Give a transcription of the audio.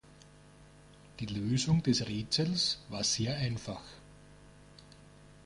Die Lösung des Rätsels war sehr einfach.